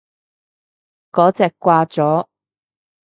嗰隻掛咗